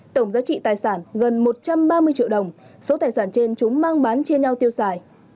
tổng giá trị tài sản gần một trăm ba mươi triệu đồng số tài sản trên chúng mang bán chia nhau tiêu xài